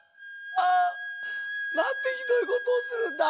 あなんてひどいことをするんだ。